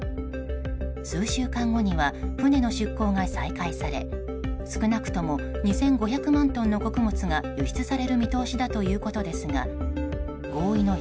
数週間後には船の出港が再開され少なくとも２５００万トンの穀物が輸出される見通しだということですが合意の